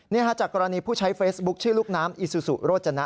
จากกรณีผู้ใช้เฟซบุ๊คชื่อลูกน้ำอีซูซูโรจนะ